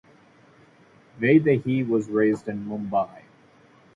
Vaidehi was raised in Mumbai.